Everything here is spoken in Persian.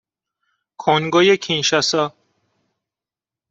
کنگوی کینشاسا